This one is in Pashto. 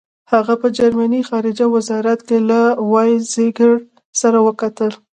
هغه په جرمني خارجه وزارت کې له وایزیکر سره وکتل.